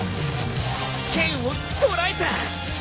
剣を捉えた！